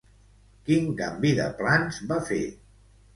Quin canvi de plans va fer?